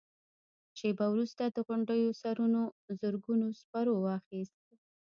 شېبه وروسته د غونډيو سرونو زرګونو سپرو واخيست.